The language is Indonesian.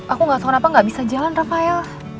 aku gak tau kenapa nggak bisa jalan rafael